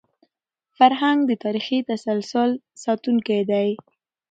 فرهنګ د تاریخي تسلسل ساتونکی دی.